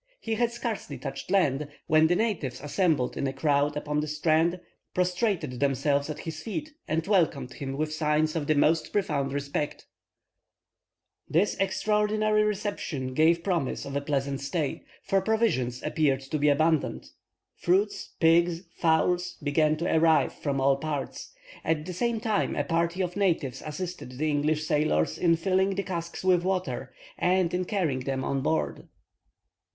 He had scarcely touched land, when the natives assembled in a crowd upon the strand, prostrated themselves at his feet, and welcomed him with signs of the most profound respect. [Illustration: Cook's reception by the natives.] This extraordinary reception gave promise of a pleasant stay, for provisions appeared to be abundant; fruits, pigs, fowls, began to arrive from all parts. At the same time a party of natives assisted the English sailors in filling the casks with water, and in carrying them on board.